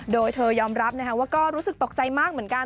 โดยเธอยอมรับว่าก็รู้สึกตกใจมากเหมือนกัน